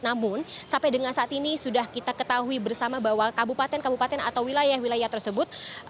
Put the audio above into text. namun sampai dengan saat ini sudah kita ketahui bersama bahwa kabupaten kabupaten atau wilayah wilayah tersebut